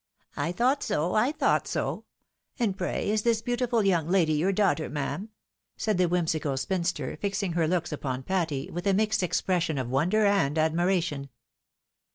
" I thought so, I thought so. And pray, is this beautiful young lady your daughter, ma'am ?" said the whimsical spin ster, fixing her looks upon Patty with a mixed expression of wonder and admiration.